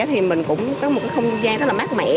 thì mình cũng có một không gian rất là mát mẻ